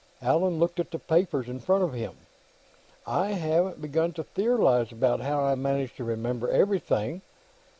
Allan looked at the papers in front of him. "I haven't begun to theorize about how I managed to remember everything.